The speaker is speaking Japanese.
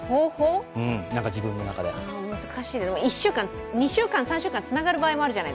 難しいな、２週間、３週間、つながる場合があるじゃない。